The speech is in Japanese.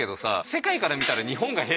世界から見たら日本が「へ」